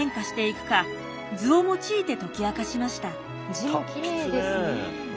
字がきれいですね。